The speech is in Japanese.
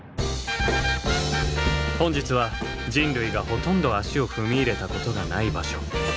本日は人類がほとんど足を踏み入れたことがない場所